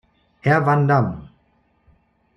Herr van Dam!